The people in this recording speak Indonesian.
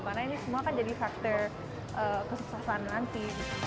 karena ini semua kan jadi factor kesuksesan nanti